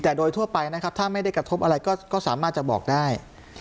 แต่โดยทั่วไปนะครับถ้าไม่ได้กระทบอะไรก็สามารถจะบอกได้